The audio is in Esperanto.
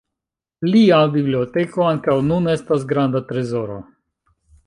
Lia biblioteko ankaŭ nun estas granda trezoro.